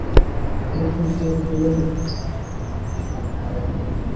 ibyokurya byoroheye cyane igogora.